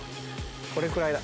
「これくらいだ。